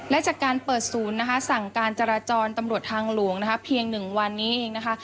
และจากการเปิดศูนย์นะคะสั่งการจราจรตำรวจทางหลวงนะคะเพียง๑วันนี้เองนะคะ